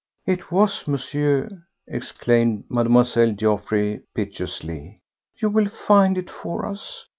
"It was, Monsieur," exclaimed Mlle. Geoffroy piteously. "You will find it for us